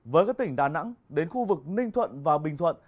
với các tỉnh đà nẵng đến khu vực ninh thuận và bình thuận